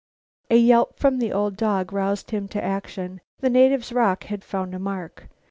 A yelp from the old dog roused him to action. The native's rock had found a mark.